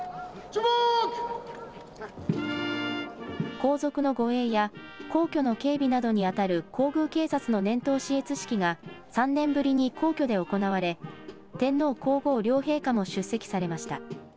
皇族の護衛や皇居の警備などにあたる皇宮警察の年頭視閲式が３年ぶりに皇居で行われ天皇皇后両陛下も出席されました。